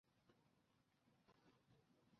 郑泉被押出去的时候还不停回头看孙权。